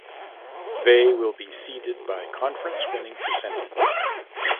They will be seeded by conference winning percentage.